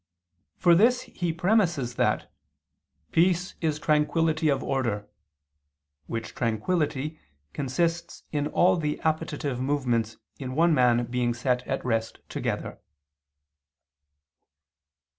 For this reason he premises that "peace is tranquillity of order," which tranquillity consists in all the appetitive movements in one man being set at rest together.